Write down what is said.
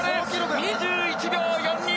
２１秒４２。